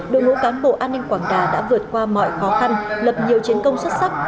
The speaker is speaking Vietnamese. đội ngũ cán bộ an ninh quảng đà đã vượt qua mọi khó khăn lập nhiều chiến công xuất sắc